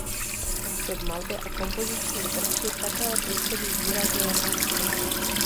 Způsob malby a kompoziční prvky také působí výrazně japonsky.